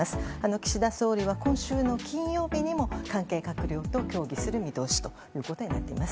岸田総理は、今週の金曜日にも関係閣僚と協議する見通しということになっています。